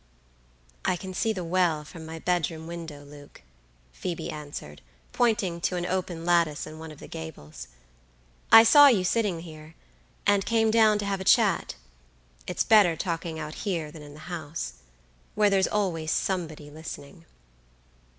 "I can see the well from my bedroom window, Luke," Phoebe answered, pointing to an open lattice in one of the gables. "I saw you sitting here, and came down to have a chat; it's better talking out here than in the house, where there's always somebody listening."